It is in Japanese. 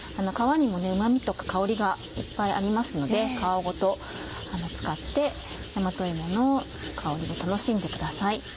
皮にもうま味とか香りがいっぱいありますので皮ごと使って大和芋の香りを楽しんでください。